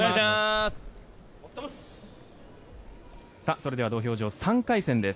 それでは土俵上３回戦です。